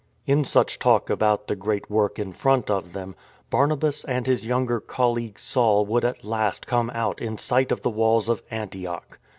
In such talk about the great work in front of them, Barnabas and his younger colleague Saul would at last come out in sight of the walls of Antioch.